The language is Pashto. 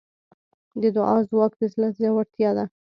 د دعا ځواک د زړه زړورتیا ده.